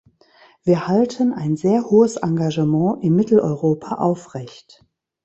Wir halten ein sehr hohes Engagement in Mitteleuropa aufrecht.